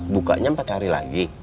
bukanya empat hari lagi